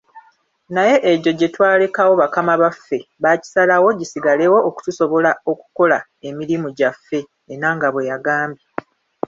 "Naye egyo gyetwalekawo bakama baffe baakisalawo gisigalewo okutusobozesa okukola emirimu gyaffe,” Enanga bweyagambye.